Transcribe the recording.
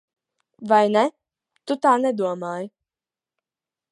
Vai ne? Tu tā nedomāji.